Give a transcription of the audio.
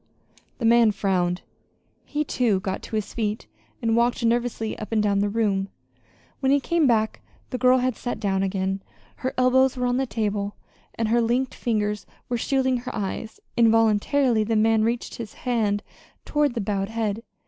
The man frowned. He, too, got to his feet and walked nervously up and down the room. When he came back the girl had sat down again. Her elbows were on the table, and her linked fingers were shielding her eyes. Involuntarily the man reached his hand toward the bowed head.